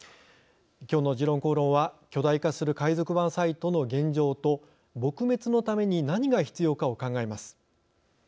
きょうの「時論公論」は巨大化する海賊版サイトの現状と撲滅のために何が必要かを考えます。